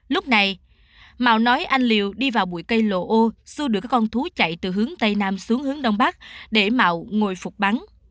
lúc này mạo nói anh liều đi vào bụi cây lộ ô xua đuổi các con thú chạy từ hướng tây nam xuống hướng đông bắc để mạo ngồi phục bắn